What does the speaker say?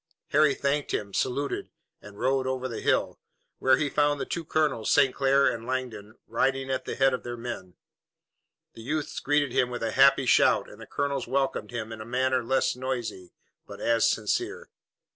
Harry thanked him, saluted, and rode over the hill, where he found the two colonels, St. Clair and Langdon riding at the head of their men. The youths greeted him with a happy shout and the colonels welcomed him in a manner less noisy but as sincere.